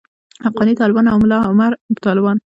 حقاني طالبان او ملاعمر طالبان.